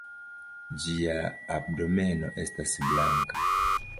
Ĝia abdomeno estas blanka.